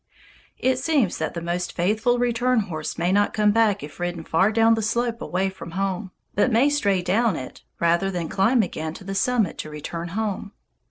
It seems that the most faithful return horse may not come back if ridden far down the slope away from home, but may stray down it rather than climb again to the summit to return home.